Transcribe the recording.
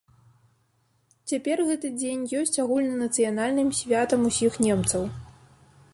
Цяпер гэты дзень ёсць агульнанацыянальным святам усіх немцаў.